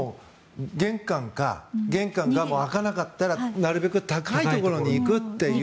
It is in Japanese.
玄関か玄関が開かなかったらなるべく高いところに行くと。